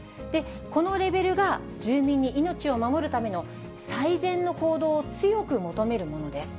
このレベルが住民に命を守るための最善の行動を強く求めるものです。